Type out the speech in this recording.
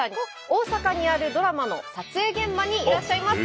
大阪にあるドラマの撮影現場にいらっしゃいます。